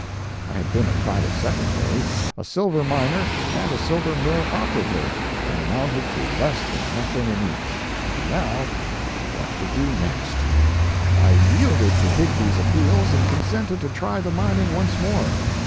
I had been a private secretary, a silver miner and a silver mill operative, and amounted to less than nothing in each, and now— What to do next? I yielded to Higbie's appeals and consented to try the mining once more.